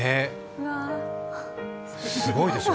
すごいでしょ。